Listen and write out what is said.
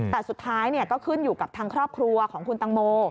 แต่สุดท้ายก็ขึ้นอยู่กับทางครอบครัวของคุณตังโม